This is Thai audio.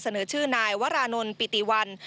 เสนอชื่อนายวรานนท์ปิติวัน